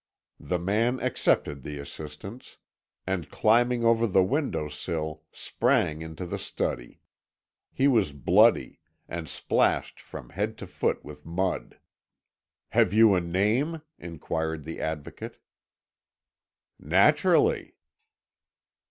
The man accepted the assistance, and climbing over the window sill sprang into the study. He was bloody, and splashed from head to foot with mud. "Have you a name?" inquired the Advocate. "Naturally."